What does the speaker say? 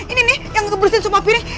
ini nih yang kebersihin semua piring